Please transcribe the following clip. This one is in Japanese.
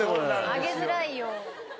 上げづらいよ。